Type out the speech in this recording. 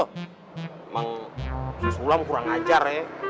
emang susulam kurang ajar ya